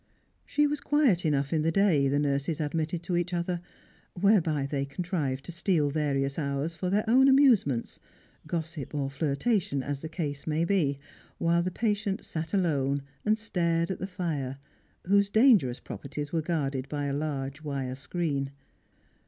She was quiet enough in the day, the nurses admitted to each other, whereby they contrived to steal various hours for their own amusements, gossip or flirtation as the case might be, while the patient sat alone and stared at the fire, whose dangerous properties were guarded by a large wire screen.